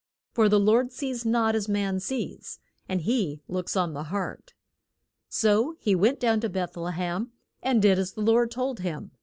For the Lord sees not as man sees, and he looks on the heart. So he went down to Beth le hem, and did as the Lord told him.